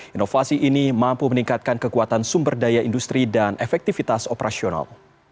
inovasi ini mampu meningkatkan kekuatan sumber daya industri dan efektivitas operasional